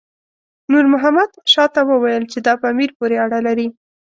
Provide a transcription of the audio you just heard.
نور محمد شاه ته وویل چې دا په امیر پورې اړه لري.